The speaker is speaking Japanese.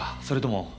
それとも。